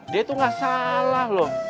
dia tuh gak salah loh